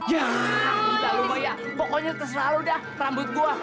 yah udah lho mbak ya pokoknya terserah lu dah rambut gua